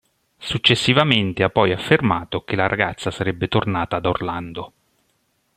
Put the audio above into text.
Successivamente ha poi affermato che la ragazza sarebbe tornata ad Orlando.